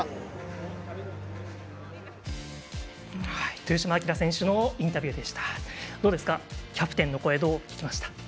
豊島英選手のインタビューでした。